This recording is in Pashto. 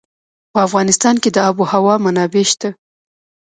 په افغانستان کې د آب وهوا منابع شته.